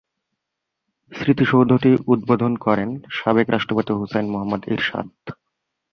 স্মৃতিসৌধটি উদ্বোধন করেন সাবেক রাষ্ট্রপতি হুসেইন মুহাম্মদ এরশাদ।